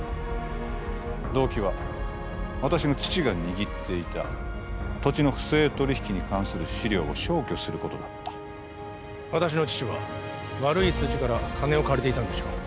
動機は私の父が握っていた土地の不正取引に関する資料を消去することだった私の父は悪いスジから金を借りていたんでしょう